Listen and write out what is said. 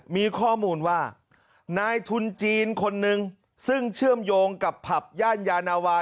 มีข้อมูลว่านายทุนจีนคนนึงซึ่งเชื่อมโยงกับผับย่านยานาวา